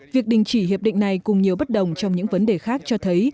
việc đình chỉ hiệp định này cùng nhiều bất đồng trong những vấn đề khác cho thấy